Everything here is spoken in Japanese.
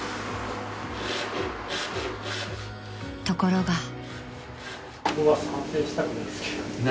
［ところが］